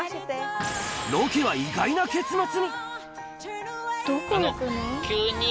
ロケは意外な結末に。